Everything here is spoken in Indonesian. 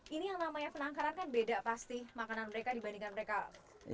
ini yang namanya penangkaran kan beda pasti makanan mereka dibandingkan mereka